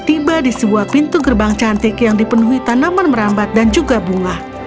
dan akhirnya tiba di sebuah pintu gerbang cantik yang dipenuhi tanaman merambat dan juga bunga